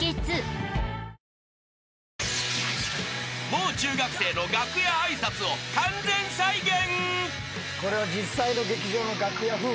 ［もう中学生の楽屋挨拶を完全再現］